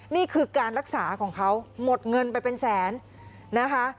นี่คือการรักษาของเขาหมดเงินไปเป็นแสนนะคะ